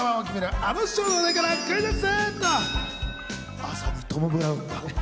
あのショーの話題からクイズッス！